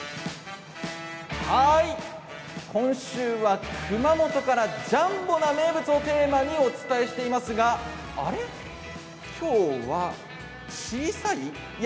今週は熊本からジャンボな名物をテーマにお伝えしていますがあれ今日は小さい？